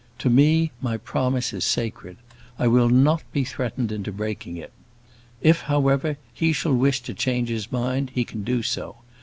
To me my promise is sacred. I will not be threatened into breaking it. If, however, he shall wish to change his mind, he can do so.